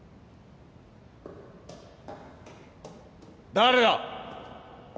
・誰だ！